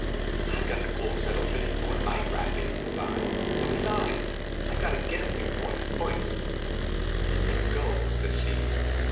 "I've got the clothes that'll fit into a night racket," says I, "and besides, I've got to get a few points first." "It's a go," says she.